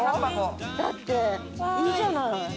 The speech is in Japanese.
だっていいじゃない。